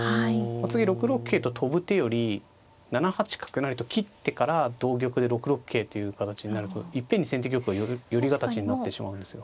次６六桂と跳ぶ手より７八角成と切ってから同玉で６六桂という形になるといっぺんに先手玉は寄り形になってしまうんですよ。